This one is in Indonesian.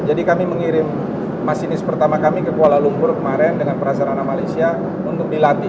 jadi kami mengirim masinis pertama kami ke kuala lumpur kemarin dengan perasarana malaysia untuk dilatih